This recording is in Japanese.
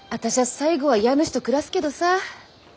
最後は家主と暮らすけどさ。